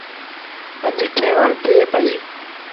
اَڄ کينوڻ ٿئي پئيٚ۔